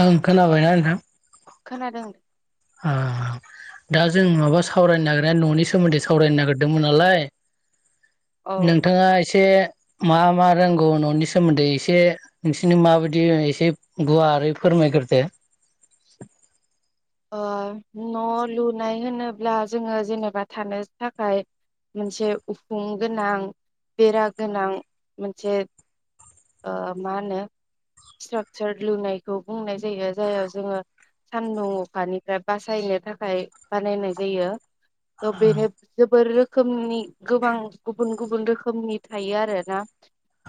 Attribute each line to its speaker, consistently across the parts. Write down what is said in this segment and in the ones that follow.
Speaker 1: ओं खोनाबायना।
Speaker 2: खोनादों।
Speaker 1: आ। दा जों माबा सावरायनो नागिरनाया न'नि सोमोन्दै सावरायनो नागिरदोंमोन नालाय
Speaker 2: औ
Speaker 1: नोंथाङा एसे मा मा रोंगौ न'नि सोमोन्दै एसे नोंसिोरनि माबायदि एसे गुवारै फोरमायगो दो।
Speaker 2: [inaudible] ओ न' लुनाय होनोब्ला जोङो जेनेबा थानो थाखाय मोनसे उखुं गोनां बेरा गोनां मोनसे मा होनो स्ट्राकसार लुनायखौ बुंनाय जायो जाय जोङो सानदुं। बिखानिफ्राय बासायनो थाखाय बानायनाय जायो त'
Speaker 1: औ
Speaker 2: बेनो जोबोर रोखोम रोखोमनि गोबां गुबुन गुबुन रोखोमनि थायो आरो ना।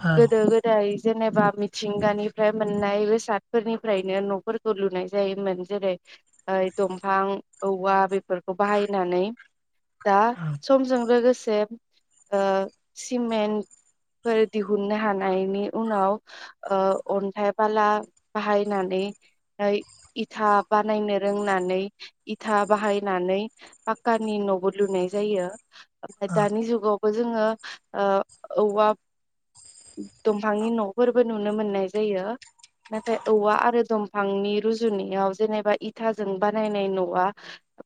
Speaker 1: औ
Speaker 2: गोदो गोदाय जेनेबा मिथिंगानिफ्राय मोननाय बेसादफोरनिफ्रायनो न'फोरखौ लुनाय जायोमोन जेरै दंफां औवा बेफोरखौ बाहायनानै। दा समजों लोगोसे ओ सिमेन्ट दिहुननो हानायनि उनाव ओ अन्थाइ बाला बाहायनानै इथा। बानायनो रोंनानै इथा बाहायनानै पाक्कानि न'बो लुनाय जायो। ओमफ्राय दानि जुगावबो जोङो ओ औवा दंफांनि न'फोरबो नुनो मोननाय जायो। नाथाय औवा आरो दंफांनि रुजुनायाव जेनेबा इथाजों बानायनाय न'आ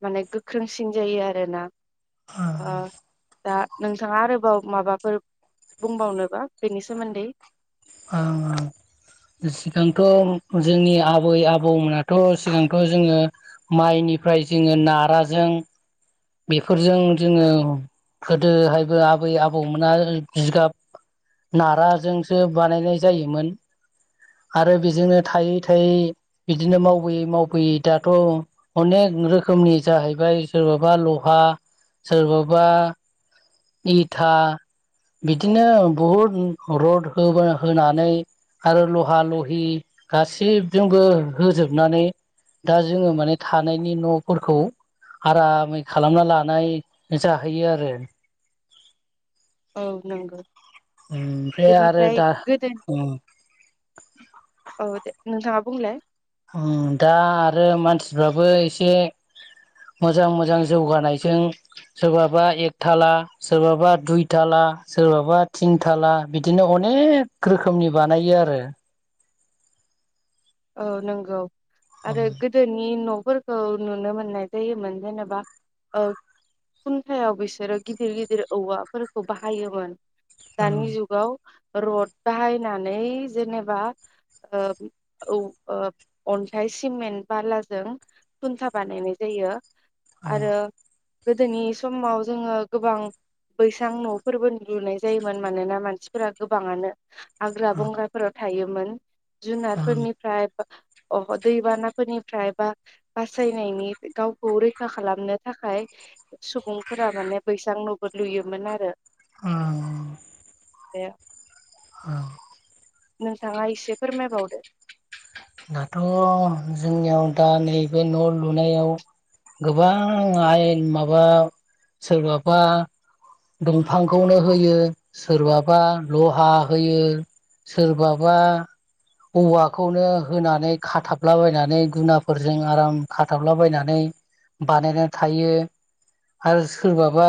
Speaker 2: माने गोख्रोंसिन जायो आरो ना। ओ दा नोंथाङा आरोबाव माबाफोर बुंबावनोबा बेनि सोमोन्दै।
Speaker 1: ओं ओं। सिगांथ' जोंनि आबै आबौमोनाथ' सिगांथ' जोङो माइनि बेनिफ्राय जोङो नाराजों बेफोरजों जोङो गोदोहायबो आबै आबौमोना जिगाब नाराजोंसो बानायनाय जायोमोन। आरो बेजोंनो थायै थायै बिदिनो मावबोयै मावबोयै दाथ' अनेक रोखोमनि जाहैबाय सोरबाबा लहा सोरबाबा इथा बिदिनो बहुद रद होनानै आरो लहा लहि गासैबजोंबो होजोबनानै दा जोङो माने थानायनि न'फोरखौ आरामै खालामना लानाय जाहैयो आरो।
Speaker 2: औ नंगौ।
Speaker 1: ओमफ्राय आरो
Speaker 2: बेनिफ्राय
Speaker 1: दा
Speaker 2: गोदोनि
Speaker 1: उम
Speaker 2: [inaudible] औ दे। नोंथाङा बुंलाय।
Speaker 1: ओ दा आरो मानसिफ्राबो एसे मोजां मोजां जौगानायजों सोरबाबा एक थाला सोरबाबा दुइ थाला सोरबाबा थिंथाला बिदिनो अनेक रोखोमनि बानायो आरो।
Speaker 2: औ नंगौ आरो गोदोनि न' फोरखौ नुनो मोननाय जायोमोन। जेनेबा ओ खुन्थायाव बिसोरो गिदिर गिदिर औवाफोरखौ बाहायोमोन। दानि जुगाव रड बाहायनानै जेनेबा औ अन्थाइ सिमेन्ट बालाजों खुन्था बानायनाय जायो। आरो गोदोनि समाव जोङो गोबां बैसां न'फोरबो लुनाय जायोमोन मानोना मानसिफोरा गोबाङानो हाग्रा बंग्राफोराव थायोमोन। फोरफोरनिफ्राय अह दैबानाफोरनिफ्राय बा बासायनायनि गावखौ रैखा खालामनो थाखाय सुबुंफोरा माने बैसां नबो लुयोमोन आरो।
Speaker 1: ओं ओ।
Speaker 2: ए।
Speaker 1: औ।
Speaker 2: नोंथाङा एसे फोरमायबावदो।
Speaker 1: दाथ' जोंनियाव दा नैबे न' लुनायाव गोबां आयेन माबा सोरबाबा दंफांखौनो होयो सोरबाबा लहा होयो। सोरबाबा औवाखौनो होनानै खाथाबलाबायनानै गुनाफोरजों आराम खाथाबलाबायनानै बानायनानै थायो आरो सोरबाबा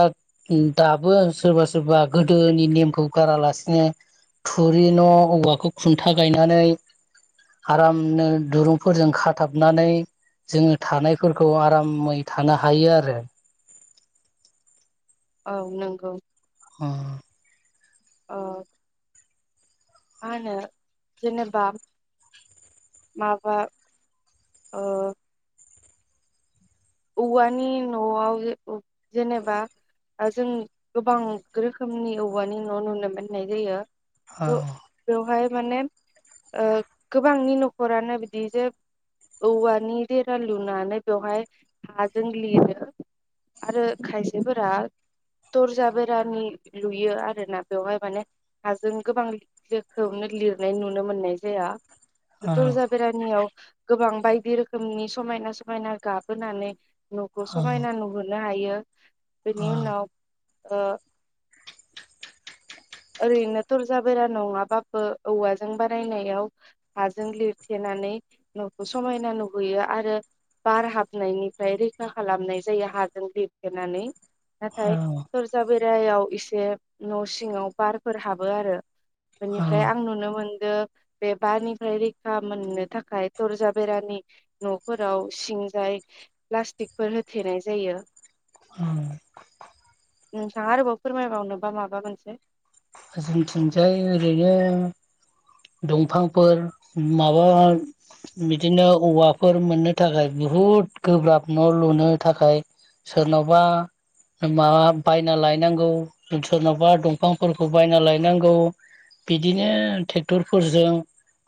Speaker 1: दाबो सोरबा सोरबा गोदोनि नेमखौ गारालासिनो थुरि न' औवाखौ खुन्था गायनानै आरामनो दुरुंफोरजों खाथाबनानै जोङो थानायफोरखौ आरामै थानो हायो आरो।
Speaker 2: औ नंगौ।
Speaker 1: ह।
Speaker 2: ओ [inaudible] मा होनो जेनेबा माबा ओ औवानि न'आव जेनेबा जों गोबां रोखोमनि औवानि न' नुनो मोननाय जायो
Speaker 1: औ
Speaker 2: बे बेवहाय माने गोबांनि न'खरानो बिदि जोब औवानि देरा लुनानै बेवहाय हाजों लिरो आरो खायसेफोरा दरजा बेरानि लुयो आरोना बेवहाय माने हाजों गोबां रोखोमनो लिरनाय नुनो मोननाय जाया दुरजा बेरानियाव गोबां बायदि रोखोमनि समायना समायना गाब होनानै न'खौ समायना नुहोनो हायो
Speaker 1: औ
Speaker 2: बेनि उनाव ओ ओरैनो थरजाबेरा नङाबाबो औवाजों बारायनायाव हाजों लिरथेना नानै न'खौ समायना नुहैयो आरो बार हाबनायनिफ्राय रैखा खालामनाय जायो हाजों लेरथेनानै नाथाय
Speaker 1: औ
Speaker 2: तरजा बेरायाव एसे न' सिङाव बारफोर हाबो आरो
Speaker 1: औ
Speaker 2: बेनिफ्राय आं नुनो मोन नो बे बारानिफ्राय रैखा मोननो थाखाय तरजा बेरानि न'फोराव सिं ज प्लास्तिकफोर होथेनाय जायो
Speaker 1: [unintelligible]
Speaker 2: नोंथाङा आरोबाव फोरमायबावनोबा माबा मोनसे
Speaker 1: जोंथिं जाय ओरैनो दंफांफोर माबा बिदिनो औवाफोर मोननो थाखाय बुहुद गोब्राब न' लुनो थाखाय सोरनावबा माबा बायना लायनांगौ सोरनावबा दंफां फोरखौ बायना लायनांगौ बिदिनो ट्रेक्टरफोरजों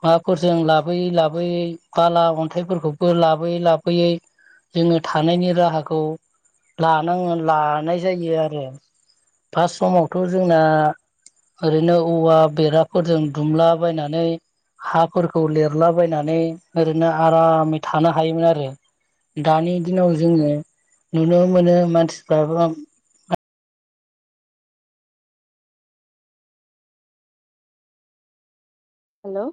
Speaker 1: माबाफोरजों लाबोयै लाबोयै बाला अन्थाइफोरखौबो लाबोयै लाबोयै जोङो थानायनि राहाखौ लानाङो लानाय जायो आरो फार्स्ट समावथ' जोंना ओरैनो औवा बेराफोरजों दुमला बायनानै हाफोरखौ लिरलाबायनानै ओरैनो आरामै थानो हायोमोन आरो दानि दिनाव जोङो नुनो मोनो मानसिफ्राबा
Speaker 2: हेलौ